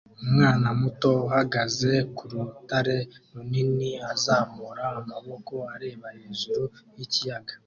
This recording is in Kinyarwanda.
Umwana muto uhagaze ku rutare runini azamura amaboko areba hejuru yikiyaga